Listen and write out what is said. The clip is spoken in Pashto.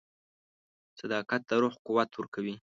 • صداقت د روح قوت ورکوي.